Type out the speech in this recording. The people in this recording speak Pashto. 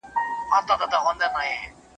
هغه وويل چي سينه سپين مهمه ده!.